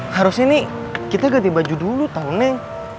harusnya nih kita ganti baju dulu tau nih